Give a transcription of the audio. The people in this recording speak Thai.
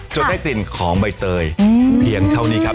ได้กลิ่นของใบเตยเพียงเท่านี้ครับ